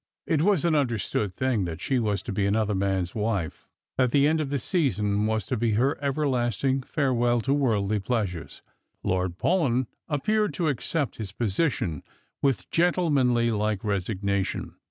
It was an understood thing that she was to be another man's wife — that the end of the season was to be her everlasting fare well to worldly pleasures. Lord Paulyn appeared to accept his position with gentlemanlike resignation.